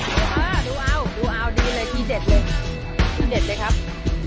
มารยาทสุดยอดมาก